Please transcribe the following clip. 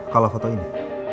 kalau foto ini